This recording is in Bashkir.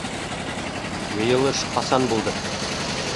Йыйылыш ҡасан булды?